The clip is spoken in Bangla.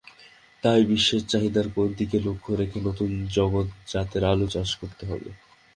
তাই বিশ্বের চাহিদার দিকে লক্ষ্য রেখে নতুন জাতের আলু চাষ করতে হবে।